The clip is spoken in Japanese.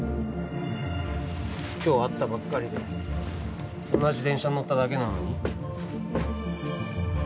今日会ったばっかりで同じ電車に乗っただけなのに？